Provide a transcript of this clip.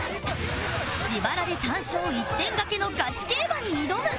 自腹で単勝一点賭けのガチ競馬に挑む